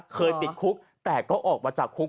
เคยติดคุกแต่ก็ออกมาจากคุก